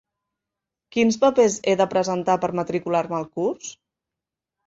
Quins papers he de presentar per matricular-me al curs?